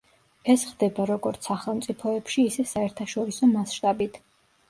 ეს ხდება როგორც სახელმწიფოებში, ისე საერთაშორისო მასშტაბით.